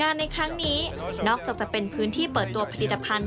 ในครั้งนี้นอกจากจะเป็นพื้นที่เปิดตัวผลิตภัณฑ์